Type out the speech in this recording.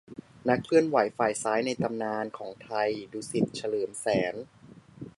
นักเคลื่อนไหวฝ่ายซ้ายในตำนานของไทย : ดุสิต เฉลิมแสน